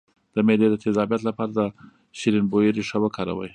د معدې د تیزابیت لپاره د شیرین بویې ریښه وکاروئ